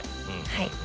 はい。